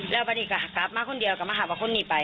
แล้วพอดีก็กลับมาคนเดียวกลับมาหาว่าคนนี้ไป